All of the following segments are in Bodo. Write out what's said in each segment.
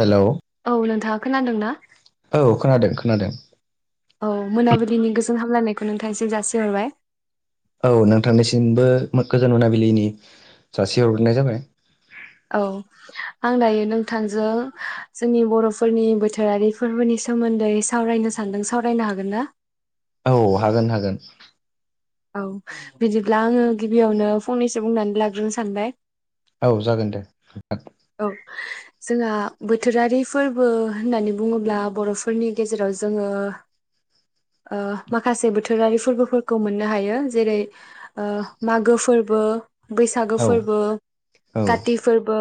हेल' औ नोंथाङा खोनदों ना? औ खोनादों खोनादों। औ मोनाबिलिनि गोजोन हामलायनायखौ नोंथाङा निसिम जासिहरबाय। औ नोंथांनिसिमबो गोजोन मोनाबिलिनि जासि हरग्रोनाय जाबाय। औ। आं दायो नोंथांजों जोंनि बर'फोरनि बोथोरारि फोरबोनि सोमोन्दै सावरायनो सा सान्दों सावरायनो हागोन ना? औ हागोन हागोन। औ बिदिब्ला आङो गिबियावनो फंनैसो बुंनानै लाग्रोनो सानबाय। औ जागोन दे। औ जोंहा बोथोरारि फोरबो होननानै बुङोब्ला बर'फोरनि गेजेराव जोङो [inaudible] ओ माखासे बोथोरारि फोरबोफोरखौ मोननो हायो जेरै ओ मागो फोरबो बैसागो औ फोरबो औ काति फोरबो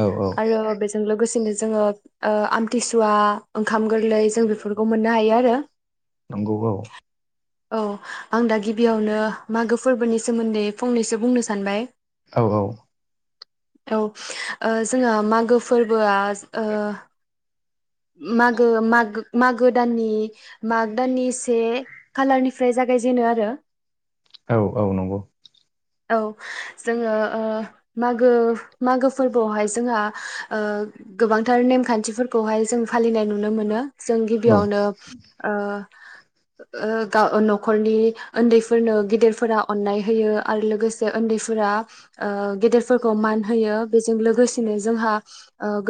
औ औ आरो बे जों लोगोसेनो जोङो आमथिसुवा ओंखाम गोरलै जों बेफोरखौ मोननो हायो आरो नोंगौ औ आं दा गिबियावनो मागो फोरबोनि सोमोन्दै फंनैसो बुंनो सानबाय। औ औ औ जोंङो मागो फोरबोआ ओ मागो मागो मागो दाननि माग दाननि से खालारनिफ्राय जागायजेनो आरो औ औ नंगौ औ जोङो मागो मागो फोरबोआवहाय जोंहा गोबांथार नेमखान्थिफोरखौहाय जों फालिनाय नुनो मोनो। जों गिबियावनो ओ ओ गा न'खरनि उन्दैफोरनो गेदिरफोरा अननाय होयो आरो लोगोसे जे उन्दैफोरा गेदेरफोरखौ मान होयो। बेजों लोगोसेनो जोंहा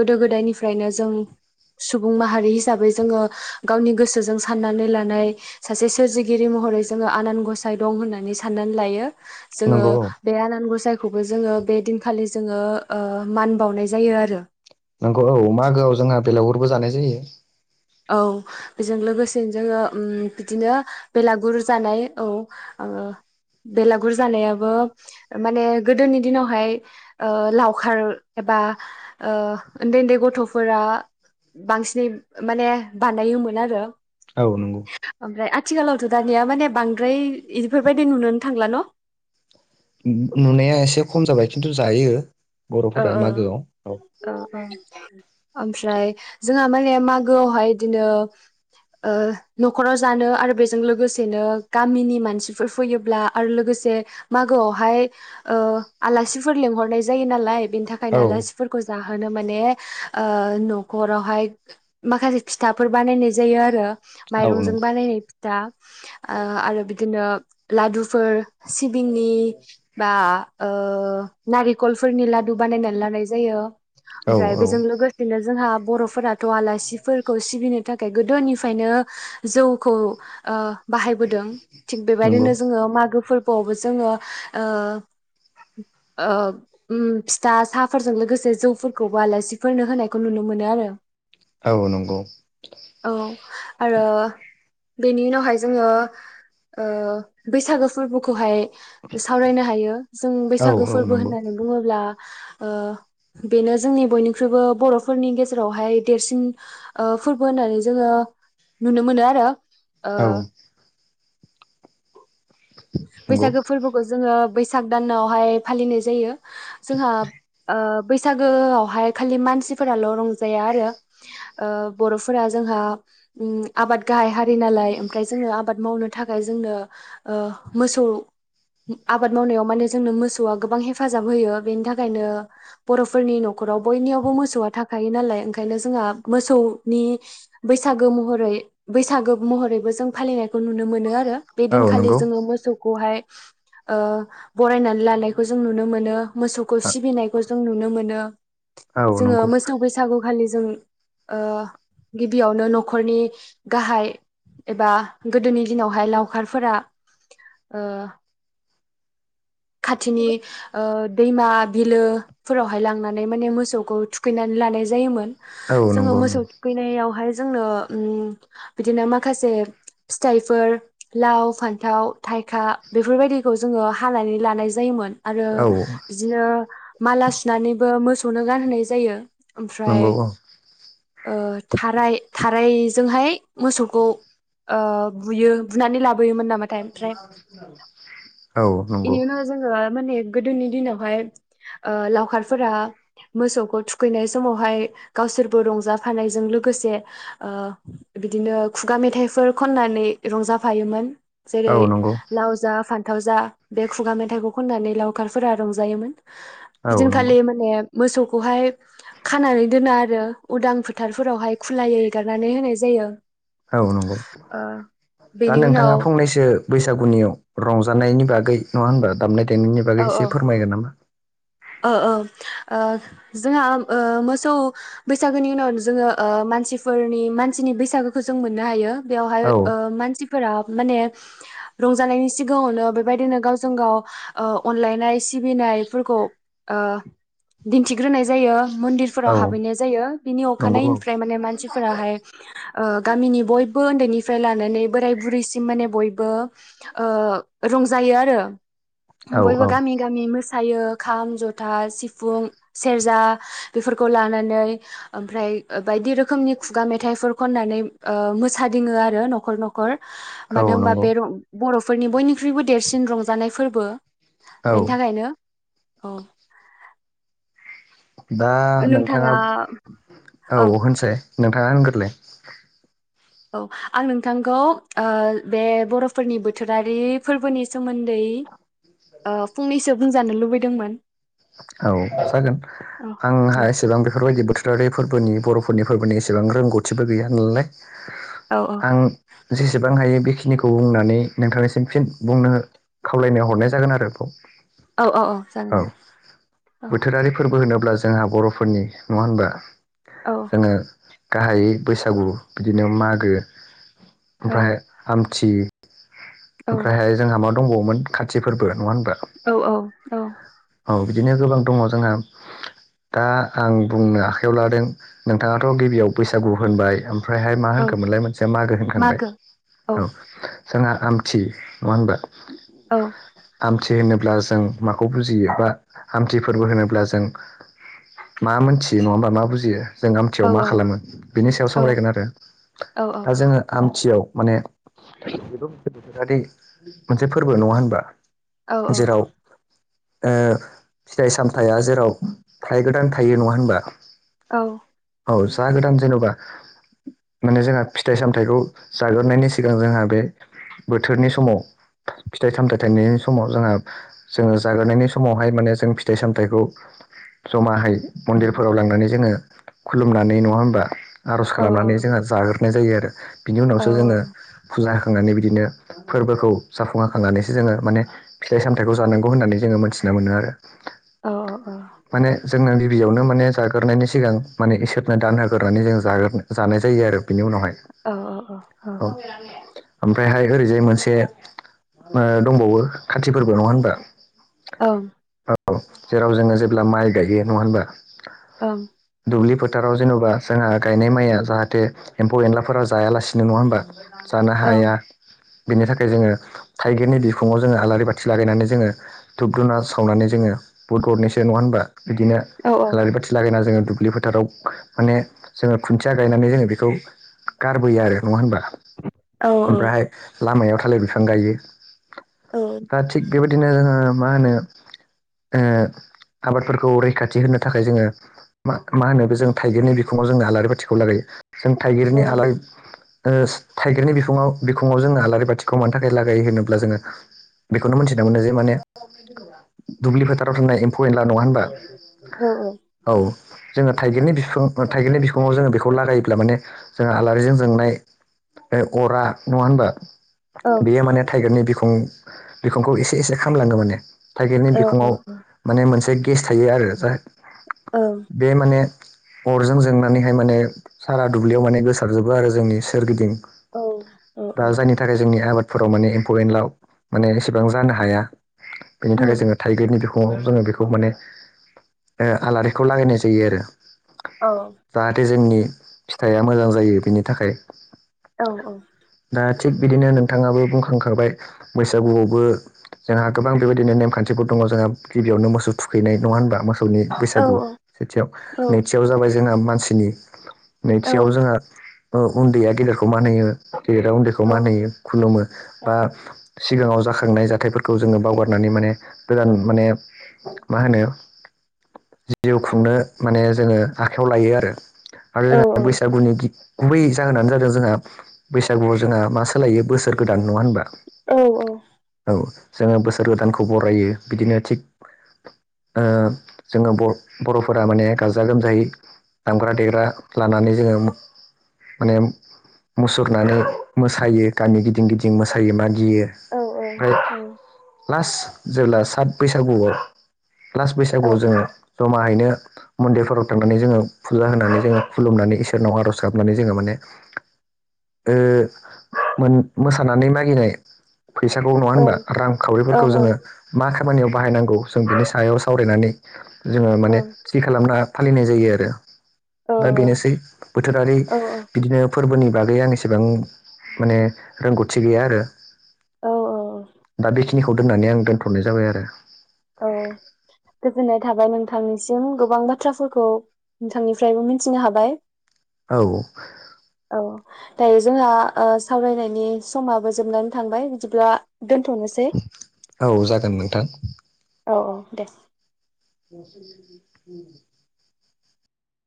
गोदो गोदायनिफ्रायनो जों सुबुं माहारि हिसाबै जोङो गावनि गोसोजों साननानै लानाय सासे सोरजिगिरि महरै जोङो आनान गसाइ दं होननानै साननानै लायो। जोङो नंगौ औ बे आनान गसायखौबो जोङो बे दिनखालि जोङो मान बावनाय जायो आरो। नंगौ औ मागोआव जोंहा बेलागुरबो जानाय जायो। औ बेजों लोगोसेनो जोङो बिदिनो बेलागुर जानाय औ बेलागुर जानायाबो माने गोदोनि दिनावहाय लावखार एबा उन्दै उन्दै गथ'फोरा बांसिनै माने बानायोमोन आरो। औ नंगौ। ओमफ्राय आथिखालावथ' दानिया माने बांद्राय इफोरबायदि नुोन थांला न'? नुनाया एसे खम जाबाय खिन्थु जायो। ओ बर'फोरा ओ मागोआव औ ओ ओमफ्राय जोंहा माने मागोआवहाय बिदिनो न'खराव जानो आरो बेजों लोगोसेनो गामिनि मानसिफोर फैयोब्ला आरो लोगोसे मागोआवहाय आलासिफोर लेंंहरनाय जायो नालाय बेनि थाखायनो आलासिफोरखौ जाहोनो माने न'खरावहाय माखासे फिथाफोर बानायनाय जायो आरो औ माइरंजों नंगौ बानायनाय दा आरो बिदिनो लादुफोर सिबिंनि बा ओ नारिखल फोरनि लादु बानायनानै लानाय जायो औ ओमफ्राय औ बेजों लोगो बिदिनो जोंहा बर'फोराथ' आलासिफोरखौ सिबिनो थाखाय गोदोनिफ्रायनो जौखौ बाहायबोदों थिग नंगौ बेबायदिनो जोङो मागोफोर बावबो जोङो ओ ओ फिथा साहाफोरजों लोगोसे जौफोरखौबो आलासिफोरनो होनायखौ नुनो मोनो आरो। औ नंगौ। औ आरो बेनि उनावहाय जोङो ओ बैसागो फोरबोखौहाय सावरायनो हायो जों औ औ बैसागो फोरबो नंगौ होननानै बुङोब्ला बेनो जोंनि बयनिख्रुइबो बर'फोरनि गेजेरावहाय देरसिन ओ फोरबो होननानै जोङो नुनो मोनो आरो। ओ औ। नंगौ बैसागो फोरबोखौ जोङो बैसाग दानावहाय फालिनाय जायो। जोंहा बैसागोआवहाय खालि मानसिफोराल' रंजाया आरो बर'फोरा जोंहा आबाद गाहाय हारि नालाय ओमफ्राय जोंनो आबाद मावनो थाखाय जोंनो मोसौ आबाद मावनायाव माने जोंनो मोसौआ गोबां हेफाजाब होयो बेनि थाखायनो बर'फोरनि न'खराव बयनियावबो मोसौआ थाखायो नालाय ओंखायनो जोंहा मोसौ नि बैसागो महरै बैसागो महरैबो जों फालिनायखौ नुनो मोनो आरो। बे औ दिनखालि नंगौ जोङो मोसौखौहाय ओ बरायनानै लानायखौ जों नुनो मोनो। मोसौखौ सिबिनायखौ जों नुनो मोनो । जोङो मोसौ बैसागु खालि जों ओ गिबियावनो न'खरनि गाहाय एबा गोदोनि दिनावहाय लावखारफोरा ओ खाथिनि ओ दैमा बिलो फोरावहाय लांनानै माने मोसौखौ थुखैनानै लानाय जायोमोन। औ जोङो नंगौ मोसौ थुखैनायावहाय जोंनो ओम बिदिनो माखासे फिथाइफोर लाव फान्थाव थाइखा बेफोरबायदिखौ जोङो हानानै लानाय जायोमोन। आरो औ बिदिनो माला सुनानैबो मोसौनो गानहोनाय जायो। ओमफ्राय नंगौ औ ओ थाराय थारायजोंहाय मोसौखौ ओ बुयो बुनानै लाबोयोमोन नामाथाय ।ओमफ्राय [inaudible] औ नंगौ। बेनि उनाव जोङो माने गोदोनि दिनावहाय ओ लावखारफोरा मोसौखौ थुखैनाय समावहाय गावसोरबो रंजाफानायजों लोगोसे ओ बिदिनो खुगा मेथाइफोर खननानै रंजाफायोमोन औ जेरै नंगौ लाव जा फान्थाव जा बे खुगा मेथाइखौ खननानै लावखारफोरा रंजायोमोन। औ नंगौ बिदिनखालि माने मोसौखौहाय खानानै दोन आरो उदां फोथारफोरावहाय खुलायै एगारनानै होनाय जायो। औ नंगौ ओ दा बेनि नोंथाङा उनाव फंनैसो बैसागुनियाव रंजानायनि बागै नङा होनबा दामनाय देनायनि बागै एसे फोरमायगोन नामा। ओ-ओ ओ जोंहा ओ मोसौ बैसागोनि उनाव जोङो ओ मानसिफोरनि मानसिनि बैसागोखौ जों मोननो हायो। बेवहाय औ ओ मानसिफोरा माने रंजानायनि सिगाङावनो बेबायदिनो गावजों गाव ओ अनलायनाय सिबिनाय फोरखौ ओ दिन्थिग्रोनाय जायो । मन्दिरफोराव औ हाबहैनाय जायो बिनि नंगौ औ अखानायनिफ्राय माने मानसिफोराहाय ओ गामिनि बयबो उन्दैनिफ्राय लानानै बोराय बुरैसिम माने बयबो ओ रंजायो आरो औ बयबो औ गामि-गामि मोसायो खाम जथा सिफुं सेरजा बेफोरखौ लानानै ओमफ्राय बायदि रोखोमनि खुगा मेथाइफोर खननानै ओ मोसादिङो आरो न'खर-न'ख खर औ मानो होनबा नंगौ बे रं बर'फोरनि बयनिख्रुइबो देरसिन रंजानाय फोरबो। औ बेनि थाखायनो औ। दा नोंथाङा औ होनसै नोंथाङा होनग्रोलाय। औ आं नोंथांखौ ओ बे बर'फोरनि बोथोरारि फोरबोनि सोमोन्दै ओ फंनैसो बुंजानो लुबैदोंमोन। औ जागोन औ आंहा औ एसेबां बेफोरबायदि बोथोर [unintelligible] फोरबोनि बर'फोरनि फोरबोनि एसेबां रोंगौथिबो गैया नालाय। औ-औ। आं जेसेबां हायो बेखिनिखौ बुंनानै नोंथांनिसिम फिन बुंनो खावलायनायाव हरनाय जागोन आरो बेखौ। औ औ औ जागोन दे। औ बोथोरारि फोरबो होनोब्ला जोंहा बर'फोरनि नङा होनबा। औ। नों गाहायै बैसागु बिदिनो मागो औ ओमफ्राय आमथि औ ओमफ्रायहाय जोंहा मा दंबावोमोन खाथि फोरबो नङा होनबा। औ-औ-औ। औ बिदिनो गोबां दङ' जोंहा दा आं बुंनो आखाइयाव लादों। नोंथाङाथ' गिबियाव बैसागु होनबाय ओम फ्रायहाय मा औ होनखोमोनलाय मोनसेया मागो होनखांबाय औ। जोङा आमथि नङा होनबा औ। आमथि होनोब्ला जों माखौ बुजियो बा आमथि फोरबो होनोब्ला जों मा मोनथियो नङा होनबा मा बुजियो जों औ आमथियाव मा खालामो बिनि सायाव औ सावरायगोन आरो औ दा जोङो आमथियाव माने बेबो मोनसे बोथोरारि मोनसे फोरबो नङा होनबा औ जेराव ओ फिथाइ सामथाया जेराव थाय गोदान थायो नङा होनबा औ। औ जा गोदान जेनबा माने जोंहा फिथाइ सामथाइखौ जाग्रोनायनि सिगां जोंहा बे बोथोरनि समाव फिथाइ सामथाइ थाइनायनि समाव जोंहा जोङो जाग्रोनायनि समावहाय माने जों फिथाइ सामथाइखौ जमाहै मन्दिरफोराव लांनानै जोङो खुलुमनानै नङा होमबा आर'ज खालामनानै जोङो जाग्रोनाय जायो आरो बिनि उनावसो जोङो फुजा होखांनानै बिदिनो फोरबोखौ जाफुंङा होखांनानैसो जोङो माने फिथाइ सामथाइखौ जानांगौ होननानै जोङो मोन्थिना मोनो आरो माने जोंनो गिबियावनो माने जा ग्रोनायनि सिगां माने इसोरनो दान होग्रोनानै जों जाग्रोना जानाय जायो आरो बिनि उनावहाय। औ। ओमफ्रायहाय ओरैजाय मोनसे ओ दंबावो खाथि फोरबो नङा होनबा ओं। औ जेराव जोङो जेब्ला माइ गायो नङा होनबा। ओं। दुब्लि फोथाराव जेन'बा जोंहा गायनाय माइया जाहाथे एम्फौ एनलाफोरा जायालासिनो नङा होमबा जानो हाया। बिनि थाखाय जोङो थाइगिरनि बिखुङाव जोङो आलारि बाथि लागायनानै जोङो धुप धुना सावनानै जोङो बुद गरनैसो नङा होनबा बिदिनो आलारि बाथि लागायना जोङो दुब्लि फोथाराव माने जोङो खुन्थिया गायनानै जोङो बेखौ गारबोयो आरो नङा होनबा औ ओमफ्रायहाय लामायाव थालिर बिफां गायो औ का थिग बेबायदिनो मा होनो ओ आबादफोरखौ रैखाथि होनो थाखाय जोङो मा मा होनो बे जों थाइगिरनि बिखङाव जोंनो आलारि बाथिखौ लागायो। जों थाइगिरनि ओं आलारि ओस थाइगिरनि बिुखुङाव बिखुङाव जोङो आलारि बाथिखौ मानि थाखाय लागायो होनोब्ला जोङो बेखौनो मोनथिनो मोनो जे माने दुब्लि फोथाराव थानाय एम्फौ एनला नङा होनबा ओं ओं औ जोङो थाइगिरनि बिफां थाइगिरनि बिफाङाव जोङो बेखौ लागायोब्ला माने जोंहा आलारिजों जोंनाय ओ अरा नङा होनबा बेयो माने थाइगिरनि बिखं बिखंखौ एसे एसे खामलाङो माने थाइगिर बिखङाव माने मोनसे गेस थायो आरो जा औ। बे माने अरजों जोंनानैहाय माने सारा दुब्लियाव माने गोसारजोबो आरो जोंनि सोरगिदिं। औ औ दा जायनि थाखाय जोंनि आबादफोराव माने एम्फौ एन्लाव माने एसेबां जानो हाया। बेनि थाखाय जोङो गेटनि बिखङाव जोङो बेखौ माने आलारिखौ लागायनाय जायो आरो औ जाहाथे जोंनि फिथाइया मोजां जायो बेनि थाखाय औ औ दा थिग जोंहा गोबां बेबायदिनो नेमखान्थिफोर दङ जोंहा गिबियावनो मोसौ थुखैनाय नङा होनबा मोसौनि औ औ ओं बैसागु सेथियाव औ नैथियाव जाबाय उन्दैया गेदेरखौ मान होयो गेदेरा उन्दैखौ मान होयो खुलुमो बा सिगाङाव जाखांनाय जाथायफोरखौ जोङो बावगारनानै माने गोदान माने जिउ खुंनो माने जोङो आखाइायाव लायो आरो आरो औ उम बैसागु गुबै जाहोनानो जादों जोंहा बैसागुआव जोंहा मा सोलायो बोसोर गोदान नङा होनबा औ औ औ जोङो बोसोर गोदानखौ बरायो बिदिनो थिग ओ दामग्रा देग्रा लानानै जोङो। माने मुसुरनानै मोसायो गामि गिदिं गिदिं मोसायो औ औ मागियोओमफाय औ औ लास जेबोला थार्द बैसागुआव ला्लास् बैसागुआव औ जोङो जमाहैनो मन्दिरफोराव थांनानै जोङो फुजा होनानै जोङो खुलुमनानै इसोरनाव आर'ज गाबनानै जोङो माने ओमोन मोसानानै मागिनाय फैसाखौ नङा होनबा औ रांखावरिफोरखौ जोङो मा खामानियाव बाहायनांगौ जों बिनि सायाव सावरायनानै जोङो माने थि खालामना फालिनाय जायो आरो औ दा बेनोसै बोथोरारि औ औ बिदिनो फोरबोनि बागै आं एसेबां माने रोंगौथि गैया आरो औ दा बेखिनिखौ दोननानै आं दोनथ'नाय जाबाय आरो औ गोजोननाय थाबाय नोंथांनिसिम गोबां बाथ्राफोरखौ नोंथांनिफ्रायबो मिथिनो हाबाय औ औ दायो जोंहा सावरायनायनि समाबो जोबनानै थांबाय बिदिब्ला दोनथ'नोसै औ जागोन नोंथां औ औ दे बस